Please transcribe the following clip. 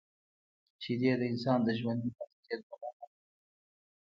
شیدې د انسان د ژوندي پاتې کېدو لامل دي